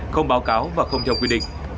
không báo cáo và không theo quy định